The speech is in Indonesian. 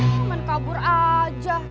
ayo menkabur aja